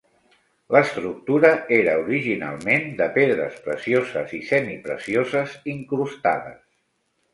L'estructura era originalment de pedres precioses i semi-precioses incrustades.